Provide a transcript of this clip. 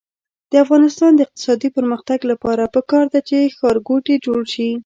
د افغانستان د اقتصادي پرمختګ لپاره پکار ده چې ښارګوټي جوړ شي.